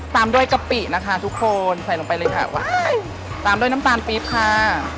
ตามด้วยกะปินะคะทุกคนใส่ลงไปเลยค่ะว้ายตามด้วยน้ำตาลปี๊บค่ะ